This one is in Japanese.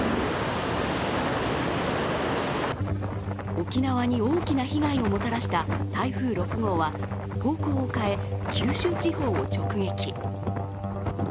沖縄に大きな被害をもたらした台風６号は方向を変え、九州地方を直撃。